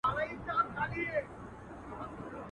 شپه او ورځ به په رنځور پوري حیران وه.